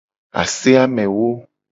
Ase amewo.